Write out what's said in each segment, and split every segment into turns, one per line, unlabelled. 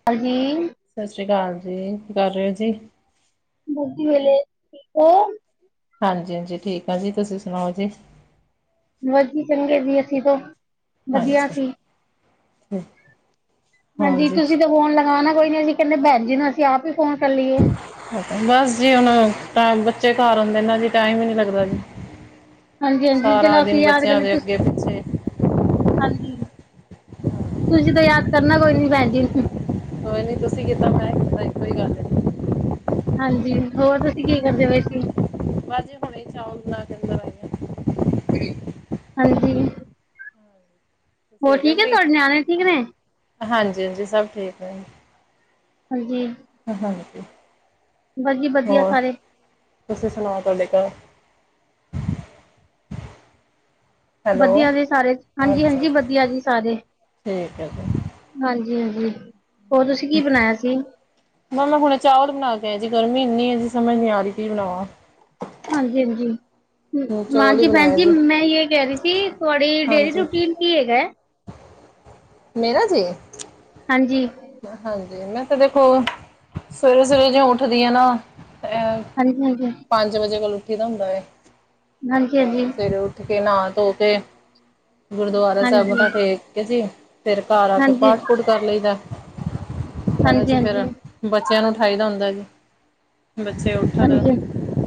[unintelligible]
ਸਾਸਰੀ ਕਾਲ ਜੀ ਕੀ ਕਰ ਰੈ ਓ ਜੀ।
ਵਧੀਆ ਠੀਕ ਓ?
ਹਾਂਜੀ ਹਾਂਜੀ ਠੀਕ ਆ ਜੀ ਤੁਸੀਂ ਸੁਣਾਓ ਜੀ।
ਵਧੀਆ ਚੰਗਾ ਜੀ ਅਸੀਂ ਤੇ
ਅਛਾ
ਹਾਂਜੀ ਤੁਸੀਂ ਤੇ ਫੋਨ ਲਗਾਣਾ ਕੋਈ ਨੀ, ਅਸੀਂ ਕੈਣੇ ਭੈਣ ਜੀ ਨੂੰ ਅਸੀਂ ਆਪ ਫੋਨ ਕਰ ਲਈਏ
ਬਸ ਜੀ ਹੁਣ ਟੈਂ ਬੱਚੇ ਘਰ ਆਂਦੇ ਨਾ ਜੀ ਟਾਈਮ ਈ ਨੀ ਲੱਗਦਾ ਜੀ।
ਹਾਂਜੀ ਹਾਂਜੀ
ਸਾਰਾ
ਚਲੋ ਅਸੀਂ
ਦਿਨ
ਯਾਦ ਕਰ
ਬੱਚਿਆਂ
ਲਈ
ਦੇ
ਤੁਸੀਂ
ਅੱਗੇ ਪਿ
ਹਾਂਜੀ, ਤੁਸੀਂ ਤਾਂ ਯਾਦ ਕਰਨਾ ਕੋਈ ਨੀ ਭੈਣ ਜੀ।
ਕੋਈ ਨੀ ਤੁਸੀਂ ਕਿਤਾ ਮੈਂ ਕਿਤਾ ਇੱਕੋ ਈ ਗੱਲ ਏ।
ਹਾਂਜੀ ਹੋਰ ਤੁਸੀਂ ਕੀ ਕਰਦੇ ਪਏ ਸੀ।
ਬੱਸ ਜੀ ਹੁਨੇ ਈ ਚਾਵਲ ਬਨਾ ਕੇ ਅੰਦਰ ਆਈ ਆਂ।
ਹਾਂਜੀ।
ਤੁਸੀਂ
ਹੋਰ
ਹੋ ਗਏ
ਠੀਕ ਹੈ
ਫਰੀ।
ਤੁਹਾਡੇ ਨਿਆਣੇ ਠੀਕ ਨੇ
ਹਾਂਜੀ-ਹਾਂਜੀ ਸਭ ਠੀਕ ਨੇ।
ਹਾਂਜੀ।
[unintelligible]
ਬਸ ਜੀ ਵਧੀਆ
ਹੋਰ
ਸਾਰੇ।
ਤੁਸੀਂ ਸੁਣਾਓ ਤੁਹਾਡੇ ਘਰ ਹੈਲੋ
ਵਧੀਆ ਜੀ ਸਾਰੇ,
ਅੱਛਾ
ਹਾਂਜੀ-ਹਾਂਜੀ
ਅੱਛਾ
ਵਧੀਆ ਜੀ ਸਾਰੇ।
ਠੀਕ ਹੈ ਜੀ
ਹਾਂਜੀ-ਹਾਂਜੀ ਹੋਰ ਤੁਸੀਂ ਕੀ ਬਨਾਇਆ ਸੀ।
ਮੈੈਂ ਹੁਣੇ ਚਾਵਲ ਬਨਾ ਕੇ ਆਈ ਸੀ, ਗਰਮੀ ਇੰਨੀ ਏ ਜੀ ਸਮਝ ਨੀ ਆ ਰਈ ਕੀ ਬਣਾਵਾਂ
ਹਾਂਜੀ, ਹਾਂਜੀ,
ਹੁਣ ਚੌਲ ਹੀ
ਹਾਂਜੀ
ਬਣਾਇਆ
ਭੈਣਜੀ
ਜੀ
ਮੈਂ ਏ ਕੈ ਰਈ ਸੀ ਤੁਹਾਡੀ ਡੇਲੀ
ਹਾਂਜੀ
ਰੂਟੀਨ ਕੀ ਹੈਗੈ।
ਮੇਰਾ ਜੀ।
ਹਾਂਜੀ।
ਹਾਂਜੀ, ਮੈਂ ਤਾਂ ਦੇਖੋ ਸਵੇਰੇ-ਸਵੇਰੇ ਜਿਂਵੇ ਉੱਠਦੀ ਆਂ ਨਾ ਅ
ਹਾਂਜੀ ਹਾਂਜੀ।
ਪੰਜ ਵਜੇ ਕੋਲ ਉੱਠੀ ਦਾ ਹੁੰੰਦਾ ਏ,
-ਹਾਂਜੀ
ਤੇ ਸਵੇਰੇ ਉੱਠ ਕੇ ਨਾ ਧੋ ਕੇ ਗੁਰਦੁਆਰਾ ਸਾਹਿਬ
-ਹਾਂਜੀ
ਮੱਥਾ ਟੇਕ ਕੇ ਜੀ, ਫੇਰ ਘਰ ਆ ਕੇ
-ਹਾਂਜੀ -ਹਾਂਜੀ।
ਪਾਠ ਪੂਠ ਕਰ ਲਈਦਾ ਪੈਲਾ
ਹਾਂਜੀ
ਅਸੀ ਫੇਰ ਬੱਚਿਆਂ ਨੂੰ ਉਠਾਈਦਾ ਹੁੰਦਾ ਜੀ। ਬੱਚੇ ਉੱਠਣ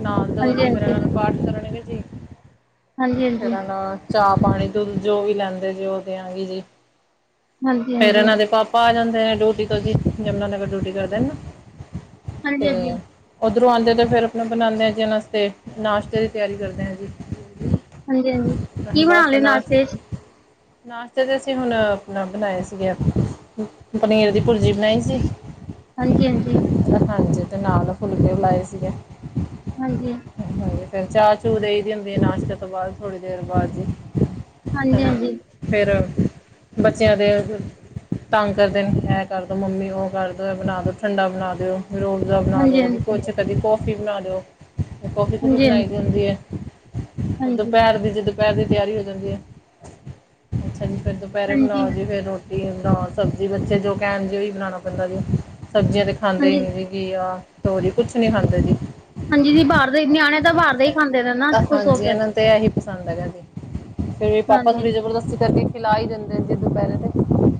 ਨਾਨ
-ਹਾਂਜੀ
ਧਰਨੇ, ਫੇਰ
-ਹਾਂਜੀ
ਇਨਾਂ
-ਹਾਂਜੀ
ਨੂੰ ਪਾਠ ਕਰਨਗੇ ਜੀ। ਫੇਰ ਹਨ ਚਾਹ ਪਾਣੀ ਦੁੱਧ ਜੋ ਵੀ ਲੈਂਦੇ ਜੇ ਉ ਦੇਆਂਗੀ ਜੀ
-ਹਾਂਜੀ -ਹਾਂਜੀ
ਫੇਰ
-ਹਾਂਜੀ।
ਇਨਾਂ ਦੇ ਪਾਪਾ ਆ ਜਾਂਦੇ ਨੇ ਡਿਊਟੀ ਤੋਂ ਜੀ, ਯਮੁਨਾ ਨਗਰ ਡਿਊਟੀ ਕਰਦੇ ਨੇ ਨਾ। ਤੇ
ਹਾਂਜੀ
ਓਧਰੋਂ ਆਦੇ ਤੇ ਫੇਰ ਆਪਣਾ ਬਨਾਦੇ ਆ ਜੀ ਇਨਾ ਨਾਸ਼ਤੇ ਦੀ ਤਿਆਰੀ ਕਰਦੇ ਆ ਜੀ
-ਹਾਂਜੀ -ਹਾਂਜੀ -ਹਾਂਜੀ -ਹਾਂਜੀ -ਹਾਂਜੀ ਕੀ ਬਣਾ
ਬਸ
ਲਿਆ
ਉਨਾਂ
ਨਾਸ਼ਤੇ ਚ
ਨਾਸ਼ਤਾ ਤੇ ਅਸੀਂ ਹੁਨ ਆਪਨਾ ਬਣਾਏ ਸੀਗੇ ਪਨੀਰ ਦੀ ਭੁਰਜੀ ਬਨਾਈ ਸੀ।
ਹਾਂਜੀ ਹਾਂਜੀ।
ਹਾਂਜੀ ਤੇ ਨਾਲ ਫੁਲਕੇ ਲਾਏ ਸੀਗੇ।
ਹਾਂਜੀ।
ਫੇਰ ਚਾ ਚੂ ਦੇਈ ਦੀ ਹੁੰਦੀ ਆ ਨਾਸ਼ਤੇ ਤੋਂ ਬਾਅਦ ਥੋੜੀ ਦੇਰ ਬਾਦ ਜੀ।
ਹਾਂਜੀ ਹਾਂਜੀ।
ਫੇਰ ਬੱਚਿਆਂ ਦੇ ਤੰਗ ਕਰਦੇ ਐ ਕਰ ਦਿਉ ਮੰਮੀ ਉ ਕਰ ਦੋ ਐ ਬਨਾ ਦੋ ਠੰਡਾ ਬਨਾ ਦਿਓ, ਰੋ ਵਜਾ ਬਨਾ ਦੋ, ਕਦੀ
-ਹਾਂਜੀ -ਹਾਂਜੀ
ਕੁਛ ਕਦੀ ਕੌਫੀ ਬਨਾ ਦਿਓ। ਕੋਫੀ ਕੂਫੀ
-ਹਾਂਜੀ -ਹਾਂਜੀ
ਬਨਾਈ ਦੀ ਹੁੰਦੀ ਏ,
-ਹਾਂਜੀ
ਦੁਪਹਿਰ ਦੀ ਜਦੋਂ ਦੁਪੈਰ ਦੀ ਤਿਆਰੀ ਹੋ ਜਾਂਦੀ ਏ, ਅੱਛਾ ਜੀ ਫੇਰ ਦੁਪੈਰੇ ਬਨਾਓ ਜੀ ਫੇਰ ਰੋਟੀ ਬਨਾਓ ਸਬਜੀ ਬੱਚੇ ਜੋ ਕੈਣ ਜੇ ਉਈ ਬਣਾਨਾ ਪੈਂਦਾ ਜੀ, ਸਬਜੀਆਂ ਤੇ ਖਾਂਦੇ ਈ ਨੀ ਜੀ- ਘਿਆ, ਤੋਰੀ ਕੁਛ ਨੀ ਖਾਂਦੇ ਜੀ।
ਹਾਂਜੀ ਦੀ ਬਾਰ ਦੇ ਨਿਆਣੇ ਤਾਂ ਬਾਰ ਦਾ ਈ-
ਹਾਂਜੀ ਏਨਾ ਨੂੰ ਤੇ ਏਹੀ ਪਸੰਦ ਹੈਗਾ ਜੇ, ਫੇਰ ਪਾਪਾ ਥੋੜੀ
ਹਾਂਜੀ।
ਜਬਰਦਸਤੀ ਕਰ- ਖਿਲਾ ਈ ਦੇਂਦੇ ਦੇ ਦੁਪੈਰੇ ਤੇ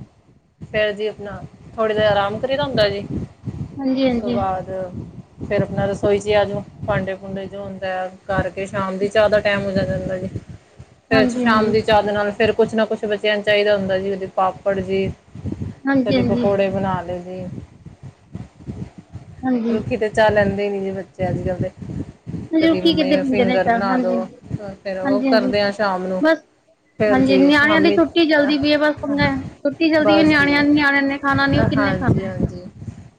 ਫੇਰ ਜੀ ਅਪਨਾ ਥੋੜੀ ਦੇਰ ਅਰਾਮ ਕਰੀ ਦਾ ਹੁੰਦੈ ਜੀ। ਉਸ ਤੋ
ਹਾਂਜੀ-ਹਾਂਜੀ,
ਬਾਦ ਫੇਰ ਅਪਨਾ ਰਸੋਈ ਚ ਆ ਜੋ, ਭਾਂਡੇ-ਭੂੰਡੇ ਜੋ ਹੁੰਦੈ ਕਾਰਕੇ ਸ਼ਾਮ ਦੀ ਚਾਅ ਦਾ ਟੈਮ ਹੋ ਜਾ ਜਾਂਦੈ ਜੇ, ਫੇਰ ਸ਼ਾਮ
ਹਾਂਜੀ-ਹਾਂਜੀ,
ਦੀ ਚਾਅ ਦੇ ਨਾਲ ਫੇਰ ਕੁੱਛ ਨਾ ਕੁੱਛ ਬਚੇਆ ਨੂੰ ਚਾਈਦਾ ਹੁੰਦੈ ਜੀ, ਕਦੀ ਪਾਪੜ ਜੀ ਕਦੀ
ਹਾਂਜੀ-ਹਾਂਜੀ, ਹਾਂਜੀ। ਹਾਂਜੀ,
ਪਕੋੜੇ ਬਨਾ ਲਏ ਜੀ।
ਹਾਂਜੀ ਹਾਂਜੀ
ਰੁਖੀ ਤੇ ਚਾਅ ਲੈਦੇ ਨੀ ਜੀ ਬੱਚੇ ਆੱਜ-ਕਾੱਲ ਦੇ
ਹਾਂਜੀ
ਕਦੀ
ਰੁੱਖੀ ਕਿੱਦੇ
ਮੰਮੀ ਓ
ਪੀਂਦੇ ਨੇ
ਫਿੰਗਰ
ਚਾਹ
ਬਨਾ ਦੋ,
ਹਾਂਜੀ,
ਫੇਰ ਓ
ਹਾਂਜੀ-ਹਾਂਜੀ
ਕਰਦੇ ਆ ਸ਼ਾਮ ਨੂੰ
ਬਸ
ਫੇਰ
ਹਾਂਜੀ
ਜੀ
ਨਿਆਣਿਆਂ ਦੀ
ਸ਼ਾਮੀ
ਛੁੱਟੀ
ਅਹ,
ਚੱਲਦੀ ਪਈ ਏ ਬਸ
ਅਹ
ਪੰਗਾ ਹੈ। ਛੁੱਟੀ ਚੱਲਦੀ ਏ
ਬਾੱਸ ਜੀ।
ਨਿਆਣਿਆਂ ਨਿਆਣਿਆਂ ਨੇ ਖਾਣਾ ਨੀ ਉਹ ਕਿੰਨੇ ਖਾਣਾ।
ਹਾਂਜੀ-ਹਾਂਜੀ।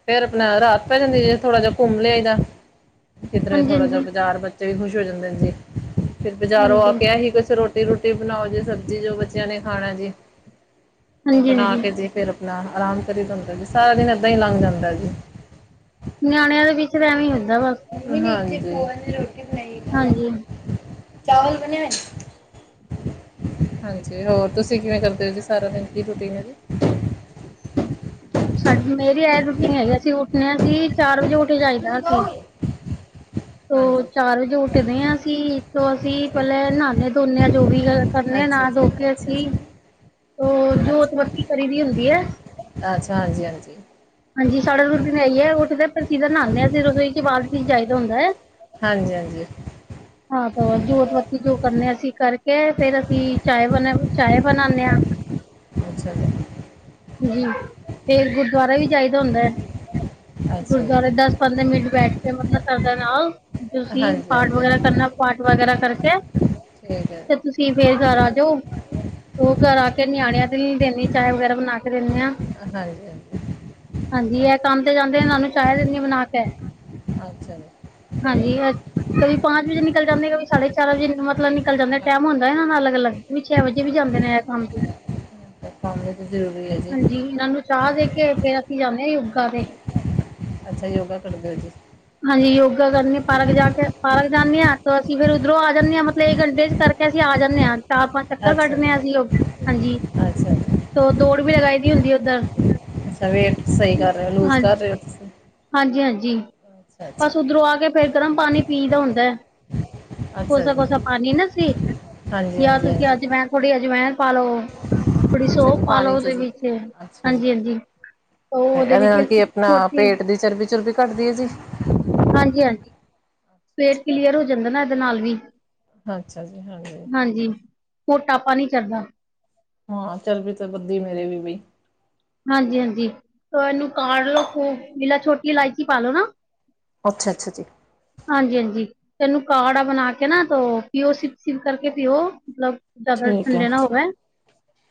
ਫੇਰ ਅਪਨਾ ਰਾਤ ਪੈ ਜਾਂਦੀ ਜੇ ਥੋੜਾ ਜਾ ਘੁੰਮ ਲਿਆਈ ਦਾ, ਕਿੱਦਰੇ ਥੋੜਾ ਜਾ
ਹਾਂਜੀ-ਹਾਂਜੀ,
ਬਾਜਾਰ-ਬਜ ਬੱਚੇ ਵੀ ਖੁਸ਼ ਹੋ ਜਾਂਦੇਨ ਜੀ, ਫਿਰ ਬਾਜਾਰੋ ਆ ਕੇ
ਹਾਂਜੀ-ਹਾਂਜੀ,
ਐਹੀ ਕੁੱਛ ਰੋਟ ਫੇਰ ਰੋਟੀ ਬਨਾਓ ਜੀ, ਸਬਜੀ ਜੋ ਬੱਚੇਆਂ ਨੇ ਖਾਣੈ ਜੀ, ਓ ਬਨਾ
ਹਾਂਜੀ-ਹਾਂਜੀ
ਕੇ ਜੀ ਫੇਰ ਨਾ ਅਰਾਮ ਕਰੀਦਾ ਹੂੰਦੈ ਜੀ, ਸਾਰਾ ਦਿਨ ਏਦਾਂ ਈ ਲਾੰਘ ਜਾਦੈ ਜੀ।
ਨਿਆਣੇਆਂ ਦੇ ਵਿਚ ਤਾਂ ਐਂਵੇ ਈ ਹੁੰਦੈ ਬਾੱਸ।
[inaudible]
ਹਾਂਜੀ।
ਚਾਵਲ ਬਨੇ ਹੋਏਨ ਹਾਂਜੀ, ਹੋਰ ਤੂਸੀ ਕਿਂਵੇ ਕਰਦੇ ਓ ਜੀ ਸਾਰਾ ਦਿਨ, ਕੀ ਰੋਟੀਨ ਏ ਜੀ?
ਸਾਡ, ਮੇਰੀ ਐ ਰੁਟੀਨ ਹੈਗੀ, ਅਸੀ ਉਠਨੈ ਅਸੀ ਚਾਰ ਵਜੇ ਉਠ ਜਾਈਦੈ
ਤੁਸੀਂ
ਅਸੀ।
ਕਹੋਗੇ
ਤੋ
ਹਾਂਜੀ
ਚਾਰ ਵਜੇ ਉਠਦੇ ਆਂ ਅਸੀ, ਤੋ ਅਸੀ ਪੈਲੇ ਨ੍ਹਾਨੇ ਧੋਨੇ ਆ ਜੋ ਵੀ ਅ ਕਰਨੇ ਆ
ਅੱਛਾ
ਨ੍ਹਾ ਧੋ
ਜੀ
ਕੇ
ਅੱਛਾ
ਅਸੀ,
ਜੀ
ਓ ਜੋਤ ਬੱਤੀ ਕਰੀ ਦੀ ਹੁੰਦੀ ਐ।
ਅਛਾ ਹਾਂਜੀ-ਹਾਂਜੀ।
ਹਾਂਜੀ, ਸਾਡਾ ਰੂਟੀਨ ਐਈ ਐ, ਉਠ ਦੇ ਪਰ ਸੀਦਾ ਨ੍ਹਾਨੇ ਆਂ ਅਸੀ, ਰਸੋਈ ਚ ਬਾਦ ਚ ਜਾਈਦਾ ਹੁੰਦੈ।
ਹਾਂਜੀ-ਹਾਂਜੀ।
[inaudible] ਆਹੋ ਜੋਤ ਬੱਤੀ ਜੋ ਕਰਨੇ ਅਸੀ ਕਾਰਕੇ ਫੇਰ ਅਸੀ ਚਾਏ ਬਨੇ, ਚਾਏ ਬਨਾਨੇ ਆਂ। [inaudible]
ਅੱਛਾ [unintelligible]
ਜੀ, ਫੇਰ ਗੁਰਦੁਆਰਾ ਈ ਜਾਈਦੈ ਹੁੰਦੈ,
ਅੱਛਾ ਜੀ
ਗੁਰਦੁਆਰੇ ਦਾੱਸ ਪੰਦੇ ਮਿੰਟ ਬੈਠ ਕੇ ਮਤਲਬ ਸਰੱਦਾ ਨਾਲ, ਤੂਸੀ
ਹਾਂਜੀ
ਪਾਠ
ਹਾਂਜੀ
ਵਗੈਰਾ ਕਰਨਾ ਪਾਠ ਵਗੈਰਾ ਕਰਕੇ,
ਠੀਕ ਹੈ
ਤੇ
ਜੀ
ਤੂਸੀ ਫੇਰ ਘਰ ਆਜੋ। ਓ ਘਰ ਆ ਕੇ
ਅੱਛਾ
ਨਿਆਣੇਆਂ ਦੀ ਦੇਨੀ ਚਾਏ ਵਗੈਰਾ ਬਨਾ ਕੇ ਦੇਨੇ ਆਂ।
[inaudible]
ਹਾਂਜੀ, ਐ ਕਾੰਮ ਤੇ ਜਾਂਦੇ ਐਨਾ ਨੂੰ ਚਾਏ ਦੇਨੀ ਆ ਬਨਾ ਕੇ,
ਅੱਛਾ ਜੀ
ਹਾਂਜੀ ਐ ਕਦੀ ਪਾੰਚ ਬਜੇ ਨਿਕਲ ਜਾਂਦੇ, ਕਬੀ ਸਾਢੇ ਚਾਰ ਵਜੇ ਮਤਲਬ ਨਿਕਲ ਜਾਂਦੇ, ਟੈਮ
ਹਾਂਜੀ
ਹੁੰਦੈ
ਹਾਂਜੀ
ਐਨਾ ਦਾ ਅਲਗ-ਅਲਗ ਨੀ ਛੇ ਵਜੇ ਵੀ ਜਾਂਦੇ ਨੇ ਐ ਕਾੰਮ ਤੇ।
ਐ ਕਾੰਮ ਵੀ ਤੇ ਜਰੂਰੀ ਐ ਜੀ।
ਇਨਾ ਨੂੰ ਚਾਅ ਦੇ ਕੇ ਫੇਰ ਅਸੀ ਜਾਨੇ ਆ ਯੋੱਗਾ ਤੇ।
ਅੱਛਾ ਯੋਗਾ ਕਰਦੇ ਓ ਜੀ।
ਹਾਂਜੀ, ਯੋਗਾ ਕਰਨੀ ਪਾਰਕ ਜਾ ਕੇ, ਪਾਰਕ ਜਾਨੇ ਆਂ ਤਾ ਅਸੀ ਫੇਰ ਉਦਰੋ ਆ ਜਾਨੇ ਆਂ ਮਤਲਬ ਏਕ ਘੰਟੇ ਚ ਕਰ ਤੇ ਅਸੀ ਆ ਜਾਨੇ ਆ। ਚਾਰ-ਪਾੰਜ ਚੱਕਰ
ਅੱਛਾ
ਕੱਟਨੇ
ਜੀ
ਆ ਅਸੀ, ਹਾਂਜੀ,
ਅੱਛਾ ਜੀ
ਤੋ ਦੋੜ ਵੀ ਲਗਾਈ ਦੀ ਹੁੰਦੀ ਏ ਓਦੱਰ।
ਅੱਛਾ ਵੇਟ ਸਈ ਕਰ ਰੇ ਓ, ਲੂਜ਼ ਕਾਰ ਰੇ ਓ?
ਹਾਂਜੀ-ਹਾਂਜੀ,
ਅੱਛਾ
ਬਾੱਸ ਉਦੱਰੋ ਆ ਕੇ ਫੇਰ ਗਰਮ ਪਾਨੀ ਪੀਅ ਦਾ ਹੁੰਦੈ।
ਅੱਛਾ ਜੀ
ਕੋਸਾ-ਕੋਸਾ ਪਾਣੀ ਨਾ ਤੁਸੀ,
ਹਾਂਜੀ
ਯਾ
ਹਾਂਜੀ
ਤੁਸੀ
ਹਾਂਜੀ
ਅਜਵੈਨ, ਥੋੜੀ ਅੱਜਵੈਨ - ਪਾਲੋ, ਥੋੜੀ
ਅੱਛਾ
ਸੋਫ
ਜੀ
ਪਾਲੋ
ਪਾਣੀ 'ਚ
ਓਦੇ
ਜੀ
ਵਿੱਚ,
ਅੱਛਾ ਜੀ
ਹਾਂਜੀ-ਹਾਂਜੀ।
ਤੇ, ਇਹਦੇ ਨਾਲ ਕੀ ਆਪਣਾ ਪੇਟ ਦੀ ਚਰਬੀ-ਚੁਰਬੀ ਘੱਟਦੀ ਏ ਜੀ?
ਹਾਂਜੀ-ਹਾਂਜੀ। ਪੇਟ ਕਿਲੀਅਰ ਹੋ ਜਾਂਦਾ ਨਾ, ਏਦੇ ਨਾਲ ਵੀ।
ਅੱਛਾ ਜੀ, ਹਾਂਜੀ।
ਹਾਂਜੀ, ਮ੍ਹੋਟਾਪਾ ਨੀ ਚੜਦਾ।
ਹਾਂ, ਚੱਰਬੀ ਤੇ ਵਧਦੀ ਮੇਰੇ ਵੀ ਬਈ।
ਹਾਂਜੀ-ਹਾਂਜੀ, ਤੋ ਏਨੂੰ ਕਾੜਲੋੋ ਖੂਬ, ਮਿਲਾ ਛੋਟੀ ਇਲਾਇਚੀ ਪਾਲੋ ਨਾ।
ਅੱਛਾ-ਅੱਛਾ ਜੀ।
ਹਾਂਜੀ-ਹਾਂਜੀ। ਇਹਨੂੰ ਕਾੜਾ ਬਣਾਕੇ ਨਾ ਤੋ, ਪੀਓ, ਸਿਪ-ਸਿਪ ਕਰਕੇ ਪੀਓ, ਮਤਲਬ ਜ਼ਿਆਦਾ
ਠੀਕ ਹੈ
ਠੰਡੇ ਨਾ ਹੋਵੈ,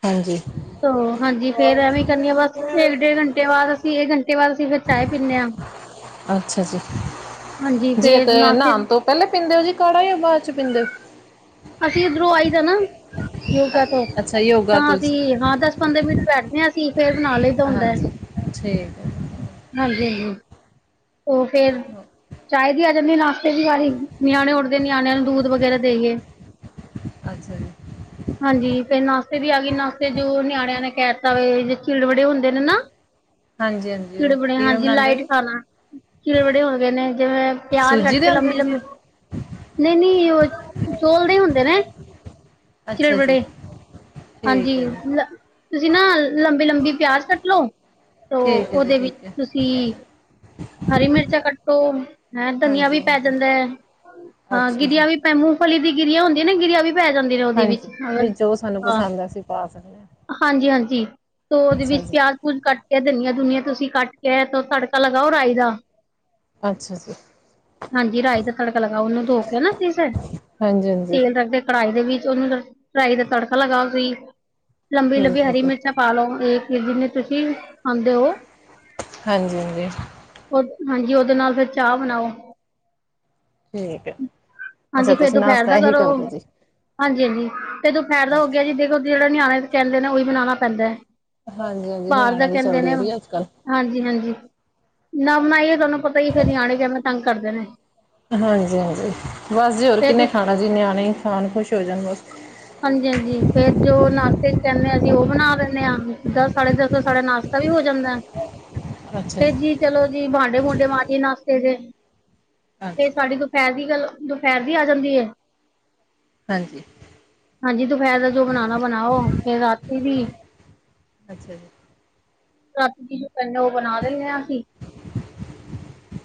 ਹਾਂਜੀ
ਤ ਹਾਂਜੀ ਫੇਰ ਐਵੇਂ ਕਰਨੀ ਆ ਬਸ, ਏਕ-ਡੇਢ ਘੰਟੇ ਬਾਦ ਅਸੀ, ਏਕ ਘੰਟੇ ਬਾਦ ਅਸੀਂ ਫੇਰ ਚਾਏ ਪੀਂਨੇ ਆਂ।
ਅੱਛਾ ਜੀ
ਹਾਂਜੀ, ਫੇਰ ਨਾ ਫਿਰ
ਪੈਲੇ ਪੀਂਦੇ ਓ ਜੀ ਕਾੜਾ, ਯਾ ਬਾਅਦ 'ਚ ਪੀਂਦੇ ਓ?
ਅਸੀਂ ਉੱਧਰੋਂ ਆਈ ਦਾ ਨਾ, ਯੋਗਾ ਤੋ,
ਅੱਛਾ ਯੋਗਾ
ਤਾਂ
ਤੋਂ ਜੀ
ਅਸੀਂ ਹਾਂ ਦੱਸ ਪੰਦਰੇ ਮਿੰਟ ਬੈਠਦੇ ਆਂ ਅਸੀਂ, ਫੇਰ ਬਣਾ ਲਈ ਦਾ ਹੁੰਦਾ,
ਹਾਂਜੀ ਠੀਕ ਹੈ
ਹਾਂਜੀ-ਹਾਂਜੀ। ਓ ਫੇਰ ਚਾਏ ਦੀ ਆ ਜਾਂਦੀ ਨਾਸ਼ਤੇ ਦੀ ਵਾਰੀ, ਨਿਆਣੇ ਉੱਠਦੇ, ਨਿਆਣਿਆਂ ਨੂੰ ਦੂਧ ਵਗੈਰਾ ਦੇਈਏ।
ਅੱਛਾ ਜੀ।
ਹਾਂਜੀ, ਫਿਰ ਨਾਸ਼ਤੇ ਦੀ ਆਗੀ, ਨਾਸਤੇ ਜੋ ਨਿਆਣਿਆਂ ਨੇ ਕੈਤਾ ਵੇ, ਜ ਚਿੜਵੜੇ ਹੁੰਦੇ ਨੇ, ਨਾ।
ਹਾਂਜੀ ਹਾਂਜੀ ਉਹ
ਚਿੜਵੜੇ,
ਕਿਵੇਂ
ਹਾਂਜੀ
ਬਣਾਉਂਦੇ ਆ
ਲਾਈਟ
ਜੀ
ਖਾਨਾ। ਚਿੜਵੜੇ ਹੋ ਗਏ ਨੇ ਜਿਵੇਂ, ਪਿਆਜ
ਸੂਜੀ
ਕੱਟ
ਦੇ
ਕੇ
ਹੁੰਦੇ ਨੇ
ਲੰਬੇ-ਲੰ
ਜੀ ਉਹ
ਨਈ-ਨਈ, ਓ ਚੋਲਦੇ ਹੁੰਦੇ ਨੇ।
ਅੱਛਾ ਜੀ।
ਚਿੜਵੜੇ ਹਾਂਜੀ,
ਠੀਕ ਹੈ ਜੀ
ਤੁਸੀਂ ਨਾ ਲੰਬੀ-ਲੰਬੀ ਪਿਆਜ਼ ਕੱਟਲੋ ਤੋ,
ਠੀਕ ਹੈ ਜੀ
ਓਦੇ ਵਿੱਚ
ਠੀਕ ਹੈ
ਤੁਸੀ ਹਰੀ ਮਿਰਚਾਂ ਕੱਟੋ, ਹੈਂ ਧਨੀਆ
ਹਾਂਜੀ
ਵੀ ਪੈ
ਹਾਂਜੀ
ਜਾਂਦਾ ਐ, ਹਾਂ
ਅੱਛਾ ਜੀ
ਗਿਰੀਆਂ ਵੀ ਐ ਮੂੰਫਲੀ ਦੀ ਗਿਰੀਆਂ ਹੁੰਦੀਆਂ ਨਾ, ਗਿਰੀਆ ਵੀ ਪੈ ਜਾਂਦੇ ਨੇ ਓਦੇ ਵਿੱਚ,
ਹਾਂਜੀ
ਹੂੰ,
ਵੀ ਜੋ ਸਾਨੂੰ
ਹਾਂ,
ਪਸੰਦ ਹੈ ਅਸੀਂ ਪਾ ਸਕਦੇ ਹਾਂ
ਹਾਂਜੀ-ਹਾਂਜੀ। ਤੋ ਓਦੇ
ਅੱਛਾ
ਵਿੱਚ
ਜੀ
ਪਿਆਜ ਕੁੱਝ ਕੱਟਕੇ ਧਨੀਆਂ-ਧੁਨੀਆਂ ਤੁਸੀਂ ਕੱਟਕੇ, ਤੜਕਾ ਲਗਾਓ ਰਾਈ ਦਾ।
ਅੱਛਾ ਜੀ।
ਹਾਂਜੀ ਰਾਈ ਦਾ ਤੜਕਾ ਲੱਗਾਓ, ਓਨੂੰ ਧੋਕੇ ਨਾ ਫਿਰ ਸੇ।
ਹਾਂਜੀ-ਹਾਂਜੀ।
ਕੜਾਈ ਦੇ ਵਿੱਚ ਓਨੂੰ, ਰਾਈ ਦਾ ਤੜਕਾ ਲਗਾਓ ਵੀ, ਲੰਬੀ-ਲੰਬੀ
ਠੀਕ ਹੈ
ਹਰੀ
ਜੀ
ਮਿਰਚ ਪਾਲੋ, ਏ ਜਿੰਨੇ ਤੁਸੀਂ ਖਾਂਦੇ ਓ।
ਹਾਂਜੀ-ਹਾਂਜੀ।
ਓ, ਹਾਂਜੀ ਓਦੇ ਨਾਲ ਫੇਰ ਚਾ ਬਣਾਓ।
ਠੀਕ ਐ।
ਹਾਂਜੀ, ਫੇਰ ਦੁਪੈਰ ਦਾ ਕਰੋ।
ਜੀ
ਹਾਂਜੀ-ਹਾਂਜੀ, ਤੇ ਦੁਪਹਿਰ ਦਾ ਹੋਗਿਆ
ਅੱਛਾ
ਜੀ ਦੇਖੋ ਜੇੜਾ ਨਿਆਣੇ ਕੈਂਦੇ ਨੇ, ਓਈ ਬਣਾਣਾ ਪੈਂਦਾ ਏ।
ਹਾਂਜੀ-ਹਾਂਜੀ, ਨਿਆਣਿਆਂ ਦੀ ਚੱਲਦੀ ਏ ਬ‌ਈ ਅੱਜ-ਕੱਲ।
ਹਾਂਜੀ -ਹਾਂਜੀ। ਨਾ ਬਣਾਈਏ ਤੁਆਨੂੰ ਪਤਾ ਈ ਏ ਫੇਰ ਨਿਆਣੇ ਕੈਵੇਂ ਤੰਗ ਕਰਦੇ ਨੇ।
ਹਾਂਜੀ -ਹਾਂਜੀ। ਬਸ ਜੀ ਹੋਰ
ਫਿਰ
ਕਿੰਨੇ
ਦੁ
ਖਾਣਾ ਜੀ ਨਿਆਣੇ ਈ ਖਾਣ ਖੁਸ਼ ਹੋ ਜਾਣ ਬਸ।
ਹਾਂਜੀ- ਹਾਂਜੀ ਫੇਰ ਜੋ ਨਾਸ਼ਤੇ ਚ ਕੈਣੇ ਆਂ ਅਸੀਂ ਓ ਬਣਾ ਲੈਨੇ ਆਂ। ਦਸ ਸਾਢੇ ਦਸ ਸਾਡੇ ਨਾਸ਼ ਤਾ ਵੀ ਹੋ ਜਾਂਦੈ। ਤੇ ਜੀ ਚਲੋ ਜੀ, ਭਾਂਡੇ- ਭੂੰਡੇ ਮਾਜੀਏ ਨਾਸ਼ਤੇ ਦੇ। ਤੇ
ਹਾਂਜੀ
ਸਾਡੀ ਦੂ- ਦੁਪਹਿਰ ਦੀ ਗੱਲ ਦੁਪਹਿਰ ਦੀ ਆ ਜਾਂਦੀ ਏ।
ਹਾਂਜੀ
ਹਾਂਜੀ ਦੁਪਹਿਰ ਦਾ ਜੋ ਬਣਾਣਾ ਬਣਾਓ ਫਿਰ ਰਾਤੀ ਵੀ
ਅੱਛਾ ਜੀ
ਰਾਤੀ ਕੀ ਜੋ ਕਹਿੰਦਾ ਉਹ ਬਣਾ ਦਿੰਦੇ ਆਂ।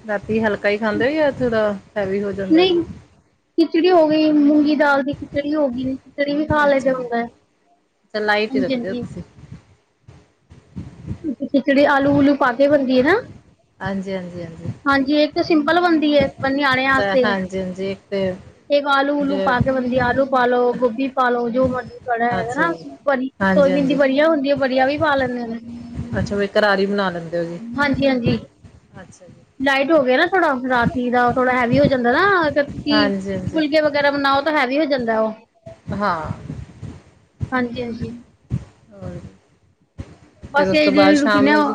ਰਾਤੀ ਹਲਕਾ ਹੀ ਖਾਂਦੇ ਹੋ ਯਾ ਥੋੜਾ ਹੈਵੀ ਕੋਈ।
ਨਹੀਂ ਖਿਚੜੀ ਹੋ ਗਈ ਮੂੰਗੀ ਦਾਲ ਦੀ ਖਿਚੜੀ ਹੋ ਗਈ। ਖਿਚੜੀ ਵੀ ਖਾ ਲਈ ਦਾ
ਅੱਛਾ ਜੀ
ਹੁੰਦੈ,
ਅੱਛਾ ਲਾਈਟ ਹੀ
ਹਾਂਜੀ
ਰੱਖਦੇ ਹੋ
ਹਾਂਜੀ।
ਤੁਸੀਂ
ਖਿਚੜੀ ਆਲੂ ਉਲੂ ਪਾ ਕੇ ਬਣਦੀ ਏ ਨਾ।
ਹਾਂਜੀ ਹਾਂਜੀ
ਹਾਂਜੀ ਇੱਕ ਤੇ ਸਿੰਪਲ ਬਣਦੀ ਏ ਨਿਆਣਿਆਂ
ਅੱਛਾ
ਆਸਤੇ।
ਹਾਂਜੀ ਹਾਂਜੀ ਇੱਕ ਤੇ
ਇਹ ਆਲੂ ਉਲੂ
ਜੇ
ਪਾ ਕੇ ਬਣਦੀ ਆਲੂ ਪਾ ਲੋ ਗੋਭੀ ਪਾ ਲੋ ਜੋ ਮਰਜ਼ੀ ਤੁਹਡਾ ਹੈਗਾ
ਅੱਛਾ
ਨਾ
ਜੀ
ਪਾਜੀ
ਹਾਂਜੀ
ਸੋਇਆਬੀਨ
ਹਾਂਜੀ
ਵੜੀਆਂ ਹੁੰਦੀਆਂ ਵੜੀਆਂ ਵੀ ਪਾ ਲੈਂਦੇ ਨੇ
ਅੱਛਾ ਵੀ ਕਰਾਰੀ ਬਣਾ ਲੈਂਦੇ ਹੋ ਜੀ,
ਹਾਂਜੀ ਹਾਂਜੀ
ਅੱਛਾ ਜੀ।
ਲਾਈਟ ਹੋ ਗਿਆ ਨਾ ਥੋੜਾ ਰਾਤੀ ਦਾ, ਥੋੜਾ ਹੈਵੀ ਹੋ ਜਾਂਦਾ ਨਾ ਅਗਰ ਤੁਸੀਂ
ਹਾਂਜੀ ਹਾਂਜੀ
ਫੁਲਕੇ ਵਗੈਰਾ ਬਣਾਓ ਤਾਂ ਹੈਵੀ ਹੋ ਜਾਂਦੈ ਉਹ
ਹਾਂ
ਹਾਂਜੀ ਹਾਂਜੀ
ਹੋਰ
ਬਸ
ਫਿਰ ਉਸ
ਇਹੀ
ਤੋਂ ਬਾਅਦ
ਡੇਲੀ
ਸ਼ਾਮ
ਰੁਟੀਨ
ਨੂੰ ਜੀ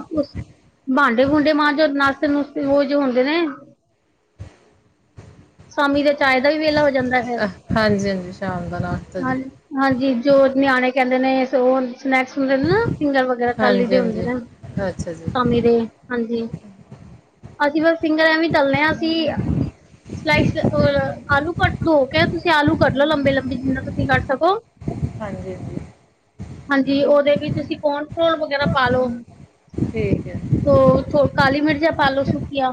ਭਾਂਡੇ ਭੂੰਡੇ ਮਾਂਜੋ ਨਾਸ਼ਤੇ ਨੁਸਤੇ ਉਹੋ ਜਿਹੇ ਹੁੰਦੇ ਨੇ ਸ਼ਾਮੀ ਦੇ ਚਾਏ ਦਾ ਵੀ ਵੇਹਲਾ ਹੋ ਜਾ
ਅਹ ਹਾਂਜੀ ਹਾਂਜੀ ਸ਼ਾਮ ਦਾ ਨਾਸ਼ਤਾ
ਹਾਂ
ਜੀ
ਹਾਂਜੀ ਜੋ ਨਿਆਣੇ ਕਹਿੰਦੇ ਨੇ ਸੋ ਸਨੈਕਸ ਵਗੈਰਾ ਨਾ ਫਿੰਗਰ ਵਗੈਰਾ ਤਾਲੀ
ਹਾਂਜੀ
ਦੇ ਹੁੰਦੇ
ਹਾਂਜੀ
ਨੇ
ਅੱਛਾ ਜੀ
ਸ਼ਾਮੀ ਦੇ ਹਾਂਜੀ ਅਸੀਂ ਬਸ ਫਿੰਗਰ ਐਵੇਂ ਤਲਨੇ ਆਂ ਅਸੀਂ ਸਲਾਈਸ ਆਲੂ ਕੱਟ ਧੋ ਕੇ ਤੁਸੀਂ ਆਲੂ ਕਟ ਲੋ ਲੰਬੇ ਲੰਬੇ, ਜਿੰਨਾ ਤੁਸੀਂ ਕੱਟ ਸਕੋ
ਹਾਂਜੀ
ਹਾਂਜੀ ਉਹਦੇ ਵੀ ਤੁਸੀਂ ਕੋਨਫਲੋਰ ਵਗੈਰਾ ਪਾ ਲੋ।
ਠੀਕ ਹੈ।
ਹੋ ਥੋ ਕਾਲੀ ਮਿਰਚਾ ਪਾਲੋ ਸੁੱਕਿਆਂ।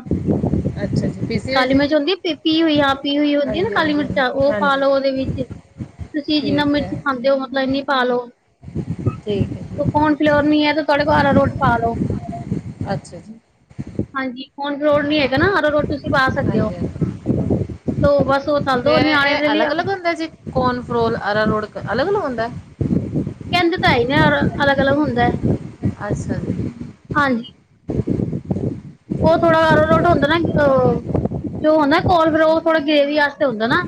ਪਿਸੀ ਹੋਈ ਜੀ।
ਪਿਸੀ ਹੋਈ ਆ ਪੀ ਹੋਈ ਹੁੰਦੀ ਹੈ ਨਾ
ਹਾਂਜੀ
ਕਾਲੀ
ਹਾਂਜੀ
ਮਿਰਚਾਂ
ਹਾਂਜੀ
ਉਹ ਪਾ
ਹਾਂਜੀ
ਲਓ ਉਹਦੇ ਵਿੱਚ ਤੁਸੀਂ ਜਿੰਨਾ
ਠੀਕ ਹੈ
ਮਿਰਚ ਖਾ ਦਿਓ ਮਤਲਬ ਇੰਨੀ ਪਾਲੋ।
ਠੀਕ ਹੈ ਜੀ
ਕੌਨ ਫਲੋਰ ਨਹੀ ਹੈ ਤੇ ਤੁਹਾਡੇ ਕੋਲ ਆਰਾਰੋਟ ਪਾਲੋੋ।
ਅੱਛਾ ਜੀ।
ਹਾਂਜੀ ਕੋਨ ਫਲੋਰ ਨੀ ਹੈਗਾ ਨਾ ਆਰਾਰੋਟ ਤੁਸੀਂ ਪਾ ਸਕਦੇ ਓ।
ਹਾਂਜੀ ਹਾਂਜੀ ਤੇ
ਨਿਆਣੇ ਦੇ
ਇਹ
ਲਈ
ਅਲੱਗ ਅਲੱਗ
ਕਹਿੰਦੇ
ਹੁੰਦੇ ਨ। ਕੋਨ ਫਰੋਲ ਆਰਾਰੋੜ ਅਲੱਗ ਅਲੱਗ ਹੁੰਦੈ।
ਕਹਿੰਦੇ ਤੇ ਹੈ ਈ ਨੇ ਅਲੱਗ ਅਲੱਗ ਹੁੰਦੈ।
ਅੱਛਾ ਜੀ
ਹਾਂਜੀ। ਉਹ ਥੋੜਾ
ਠੀਕ।
ਅਰਾਰੋਟ ਹੁੰਦੈ ਨਾ ਅ ਜੋ ਹੁੰਦਾ ਕੋਨ ਫਰੋ ਓ ਥੋੜਾ ਗੇਵੀ ਵਾਸਤੇ ਹੁੰਦਾ ਨਾ,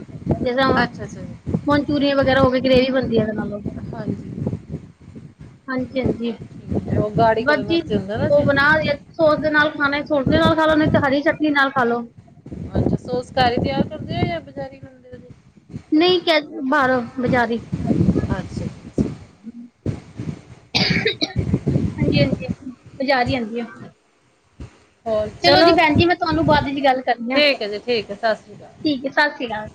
ਜਸ
ਅੱਛਾ ਅੱਛਾ ਜੀ
ਮਨਚੂਰੀਅਨ ਵਗੈਰਾ ਹੋਗੇ ਗ੍ਰਰੇਵੀ ਬਣਦੀ ਏਦੇ ਨਾਲੋ
ਹਾਂਜੀ।
ਹਾਂਜੀ-ਹਾਂਜੀ।
ਠੀਕ ਹੈ ਉਹ ਗਾੜੀ
ਬੱਸ
ਕਰਨ
ਜੀ,
ਵਾਸਤੇ ਹੁੰਦਾ ਨਾ
ਓ
ਜੀ
ਬਣਾਰੀ ਐ ਸੋਸ ਦੇ ਨਾਲ ਖਾਣਾ ਸੋਸ ਦੇ ਨਾਲ ਖਾਲੋ, ਨਈ ਤੇ ਹਰੀ ਚਟਨੀ ਨਾਲ ਖਾ ਲੋ।
ਅੱਛਾ ਸੋਸ ਘਰ ਈ ਤੇਆਰ ਕਰਦੇ ਓ ਜਾਂ ਬਜ਼ਾਰੀ ਕ?
ਨਹੀਂ ਕ ਬਾਰੋਂ, ਬਜਾਰੀ।
ਅੱਛਾ। ਜੀ
ਹਾਂਜੀ-ਹਾਂਜੀ ਬਜ਼ਾਰ ਈ ਆਦੀ ਆ। ਚਲੋ ਜੀ ਭੈਣ ਜੀ ਮੈਂ ਤੁਵਾਨੂੰ ਬਾਦ ਚ ਗੱਲ ਕਰਨੀ ਆ,
ਠੀਕ ਹੈ ਜੀ ਹੈ ਸਤਿ ਸ਼੍ਰੀ ਅਕਾਲ
ਠੀਕ ੲੈ ਸਸ ਸ੍ਰੀ ਅਕਾਲ।